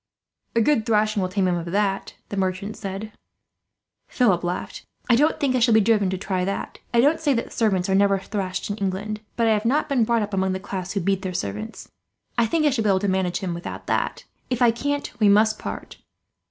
"A good thrashing will tame him of that," the merchant said. Philip laughed. "I don't think I shall be driven to try that. I don't say that servants are never thrashed in England, but I have not been brought up among the class who beat their servants. I think I shall be able to manage him without that. If I can't, we must part.